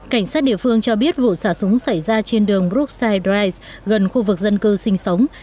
cảnh sát địa phương cho biết vụ xả súng xảy ra trên đường bruxy drise gần khu vực dân cư sinh sống